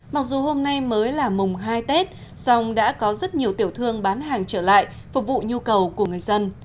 mặc dù hôm nay mới là mùng hai tết song đã có rất nhiều tiểu thương bán hàng trở lại phục vụ nhu cầu của người dân